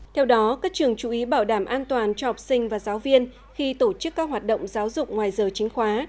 theo đó các trường chú ý bảo đảm an toàn cho học sinh và giáo viên khi tổ chức các hoạt động giáo dục ngoài giờ chính khóa